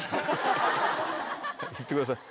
いってください。